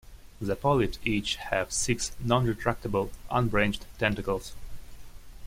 The polyps each have six non-retractable, unbranched tentacles.